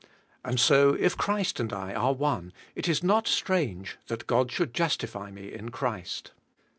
And so if Christ and I are one it is not strange that God should justify me in Christ.